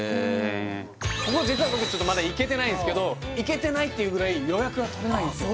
ここは実は僕まだ行けてないんすけど行けてないっていうぐらい予約が取れないんすよ